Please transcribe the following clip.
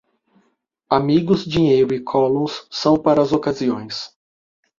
Amigos, dinheiro e collons são para as ocasiões.